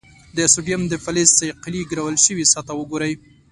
د سوډیم د فلز صیقلي ګرول شوې سطحه وګورئ.